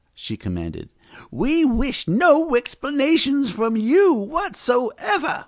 she commanded. "We wish no explanations from you, whatsoever."